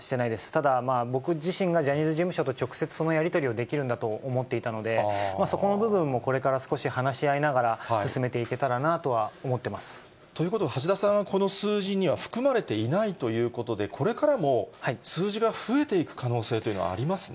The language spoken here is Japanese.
ただ僕自身がジャニーズ事務所と直接、そのやり取りをできるんだと思っていたので、そこの部分もこれから少し話し合いながら、進めていけたらなとはということは、橋田さんは、この数字には含まれていないということで、これからも数字が増えていく可能性というのは、ありますね。